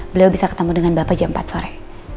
beliau bisa ketemu dengan bapak jam empat sore